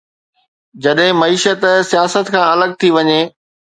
جڏهن معيشت سياست کان الڳ ٿي وڃي.